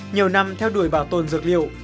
nhiều năm theo đuổi bảo tồn dược liệu